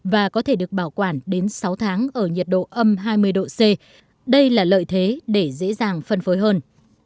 và có thể được bảo quản đến sáu tháng ở nhiệt độ âm hai mươi độ c đây là lợi thế để dễ dàng phân phối hơn